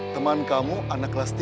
teman kamu anak kelas tiga